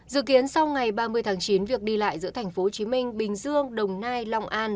dự kiến sau ngày ba mươi tháng chín việc đi lại giữa thành phố hồ chí minh bình dương đồng nai long an